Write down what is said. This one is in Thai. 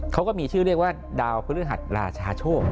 เขาก็มีชื่อเรียกว่าดาวพฤหัสราชาโชค